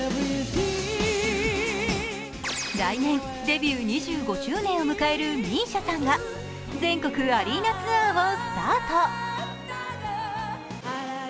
来年デビュー２５周年を迎えるＭＩＳＩＡさんが全国アリーナツアーをスタート。